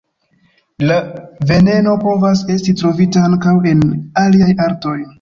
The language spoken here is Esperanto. La veneno povas esti trovita ankaŭ en aliaj artoj.